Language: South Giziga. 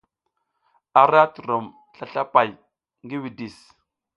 A ra turom slaslapay ngi widis.